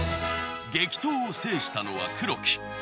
激闘を制したのは黒木。